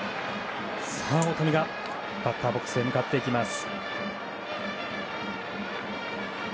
さあ大谷がバッターボックスへ向かっていきます。